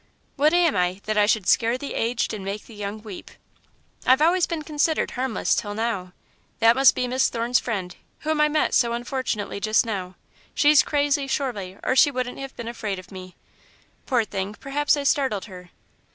"What am I, that I should scare the aged and make the young weep? I've always been considered harmless, till now. That must be Miss Thorne's friend, whom I met so unfortunately just now. She's crazy, surely, or she wouldn't have been afraid of me. Poor thing, perhaps I startled her."